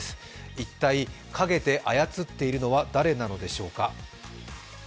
一体影で操っているのは誰なのでしょうか。